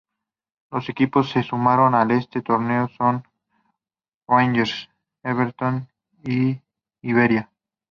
Los equipos que se sumaron a este torneo son Rangers, Everton e Iberia.